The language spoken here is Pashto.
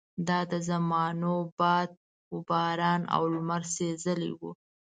دا د زمانو باد وباران او لمر سېزلي وو.